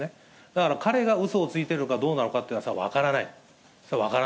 だから、彼がうそをついているかどうなのかということは、それは分からないです。